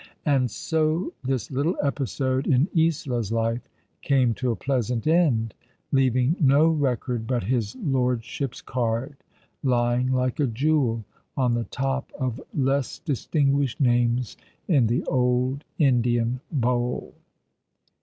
And so this little episode in Isola's life came to a pleasant end, leaving no record but his lordship's card, lying like a jewel on the top of less dis tinguished names in the old Indian bowl.